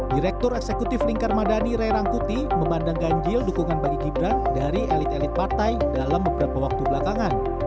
direktur eksekutif lingkar madani ray rangkuti memandang ganjil dukungan bagi gibran dari elit elit partai dalam beberapa waktu belakangan